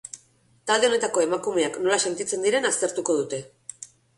Talde honetako emakumeak nola sentitzen diren aztertuko dute.